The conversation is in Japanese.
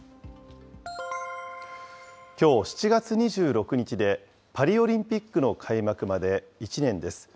きょう７月２６日で、パリオリンピックの開幕まで１年です。